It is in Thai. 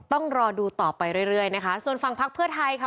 ต้องรอดูต่อไปเรื่อยส่วนฟังภักด์เพื่อไทยค่ะ